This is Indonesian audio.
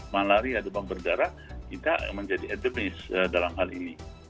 malaria depan berdarah kita menjadi edemis dalam hal ini